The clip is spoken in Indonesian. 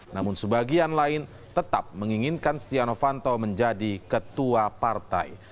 namun sebagian lain tetap menginginkan setia novanto menjadi ketua partai